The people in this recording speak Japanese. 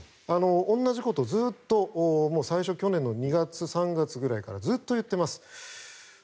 同じことをずっと最初去年の２月、３月くらいからずっと言ってます。